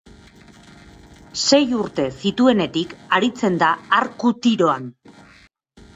Sei urte zituenetik aritzen da arku-tiroan.